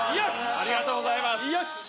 ありがとうございます。